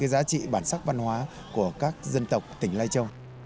giá trị bản sắc văn hóa của các dân tộc tỉnh lai châu